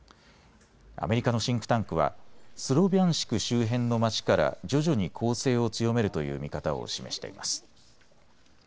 アメリカのシンクタンクはスロビャンシク周辺の町から徐々に攻勢を強めるという見方を示しています。